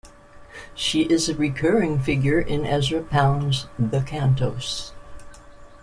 She is a recurring figure in Ezra Pound's "The Cantos".